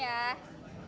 ya ini lebih bersih